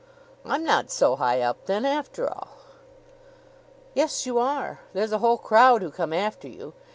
"I'm not so high up then, after all?" "Yes, you are. There's a whole crowd who come after you.